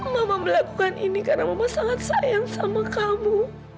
mama melakukan ini karena mama sangat sayang sama kamu